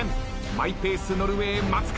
マイペースノルウェー松風。